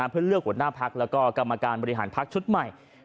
เพื่อเลือกหัวหน้าพักแล้วก็กรรมการบริหารพักชุดใหม่